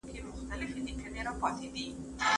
که بریښنا وي نو ماشین نه دریږي.